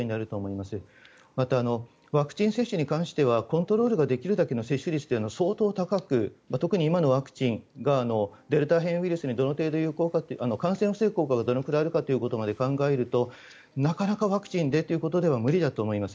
また、ワクチン接種に関してはコントロールができるだけの接種率というのは相当高く特に今のワクチンがデルタ変異ウイルスにどのくらい有効かって感染を防ぐ効果がどれくらいあるかを考えるとなかなかワクチンでということでは無理だと思います。